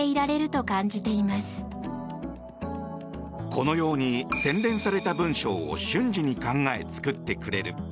このように洗練された文章を瞬時に考え、作ってくれる。